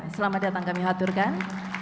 selamat datang kami mengaturkan